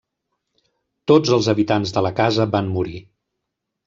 Tots els habitants de la casa van morir.